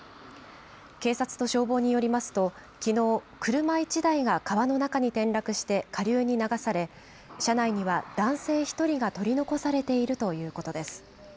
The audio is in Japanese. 警察と消防によりますときのう車１台が川の中に転落して下流に流され車内には男性１人が取り残されているということです。